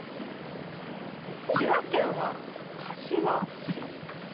千葉県は柏市。